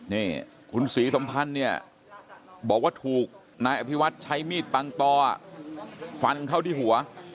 นี่คุณศรีสมพันธ์เนี่ยบอกว่าถูกนายอภิวัฒน์ใช้มีดปังตอฟันเข้าที่หัว